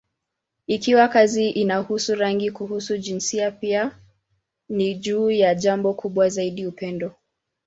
Ikiwa kazi inahusu rangi, kuhusu jinsia, pia ni juu ya jambo kubwa zaidi: upendo.